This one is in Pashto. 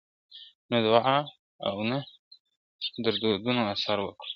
نه دعا او نه درودونو اثر وکړ !.